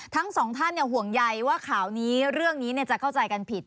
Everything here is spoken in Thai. ทั้งสองท่านห่วงใยว่าข่าวนี้เรื่องนี้จะเข้าใจกันผิด